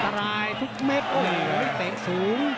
ทันตรายทุกแม็กซ์โอ้โหเตะสูง